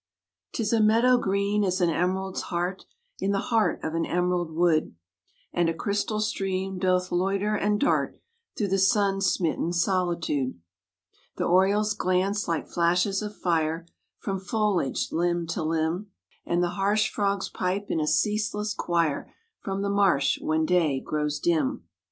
'Tis a meadow green as an emerald's heart In the heart of an emerald wood, And a crystal stream doth loiter and dart Through the sun smitten solitude. The orioles glance like flashes of fire From foliaged limb to limb, And the harsh frogs pipe in a ceaseless choir From the marsh, when day grows dim.